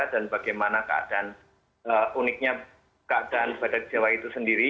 dan bagaimana keadaan uniknya keadaan badak jawa itu sendiri